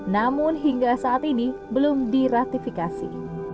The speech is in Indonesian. namun hingga saat ini belum diratifikasi